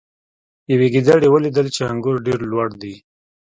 یوې ګیدړې ولیدل چې انګور ډیر لوړ دي.